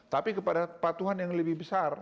tapi kepada kepatuhan yang lebih besar